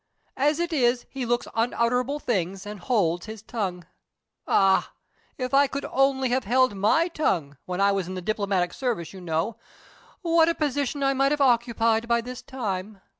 As it is, he looks unutterable things, and holds his tongue. Ah! if I could only have held my tongue when I was in the diplomatic service, you know what a position I might have occupied by this time!